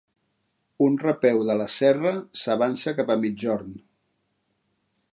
Un repeu de la serra s'avança cap a migjorn.